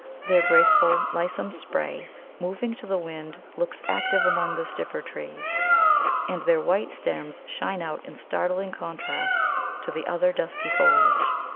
Their graceful, lissome spray moving to the wind looks active among the stiffer trees, and their white stems shine out in startling contrast to the other dusky foliage.